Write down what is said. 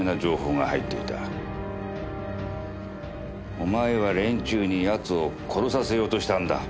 お前は連中に奴を殺させようとしたんだ。